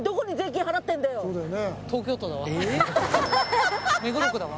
東京都だわ。